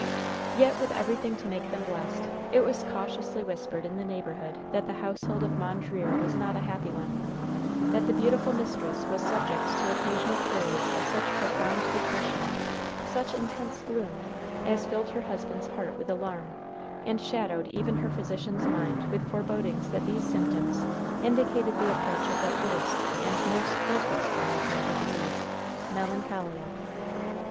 Yet, with everything to make them blessed, it was cautiously whispered in the neighborhood that the household of Mondreer was not a happy one; that the beautiful mistress was subject to occasional periods of such profound depression such intense gloom as filled her husband's heart with alarm, and shadowed even her physician's mind with forebodings that these symptoms indicated the approach of that worst and most hopeless form of mental disease, melancholia.